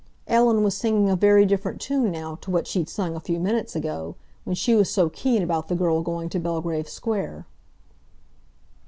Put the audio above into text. Ellen was singing a very different tune now to what she'd sung a few minutes ago, when she was so keen about the girl going to Belgrave Square.